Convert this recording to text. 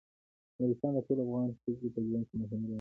نورستان د ټولو افغان ښځو په ژوند کې مهم رول لري.